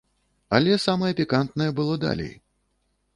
Але самае пікантнае было далей.